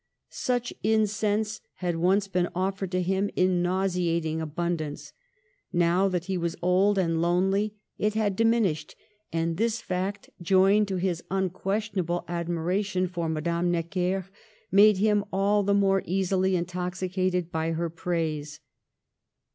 Such incense had once been offered to him in nauseating abun dance ; now that he was old and lonely it had diminished, and this fact, joined to his unques tionable admiration for Madame Necker, made him all the more easily intoxicated by her praise.